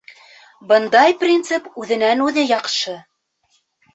Бындай принцип үҙенән үҙе яҡшы.